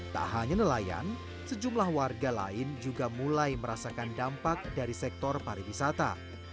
tak hanya nelayan sejumlah warga lain juga mulai merasakan dampak dari sektor pariwisata